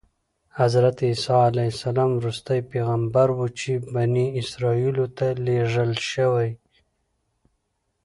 حضرت عیسی علیه السلام وروستی پیغمبر و چې بني اسرایلو ته لېږل شوی.